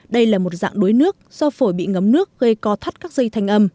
đây là một dạng đuối nước do phổi bị ngấm nước gây co thắt các dây thanh âm